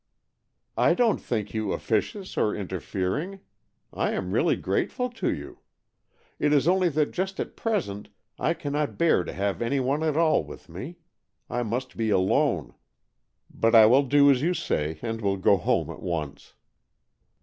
" I don't think you officious or interfering. I am really grateful to you. It is only that just at present I cannot bear to have any one AN EXCHANGE OF SOULS 135 at all with me. I must be alone. But I will do as you say, and will go home at once.